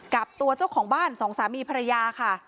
กับตัวเจ้าของบ้านสองสามีภรรยาค่ะ